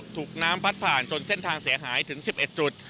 ถูกน้ำพัดผ่านจนเส้นทางเสียหายถึง๑๑จุด